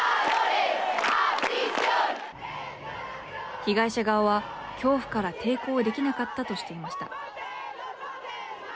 被害者側は恐怖から抵抗できなかったとしていました。